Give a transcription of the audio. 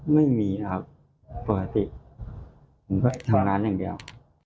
ไม่มีนะครับปกติผมก็ทำงานอย่างเดียว